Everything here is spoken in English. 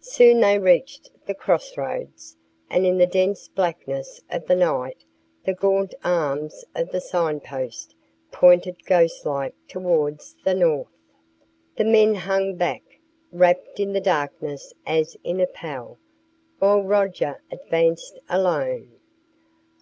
Soon they reached the cross roads, and in the dense blackness of the night the gaunt arms of the sign post pointed ghostlike towards the north. The men hung back, wrapped in the darkness as in a pall, while Roger advanced alone.